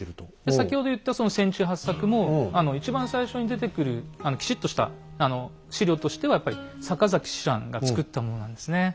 先ほど言ったその船中八策も一番最初に出てくるきちっとした史料としてはやっぱり坂崎紫瀾が作ったものなんですね。